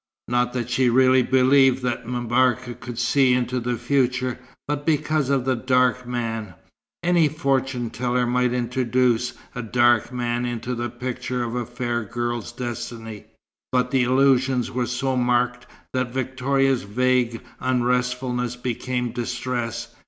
Not that she really believed that M'Barka could see into the future; but because of the "dark man." Any fortune teller might introduce a dark man into the picture of a fair girl's destiny; but the allusions were so marked that Victoria's vague unrestfulness became distress.